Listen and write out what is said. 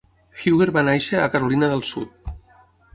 Huger va néixer a Carolina del Sud.